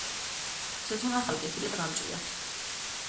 მზეთუნახავი კეთილია და გამჭრიახი.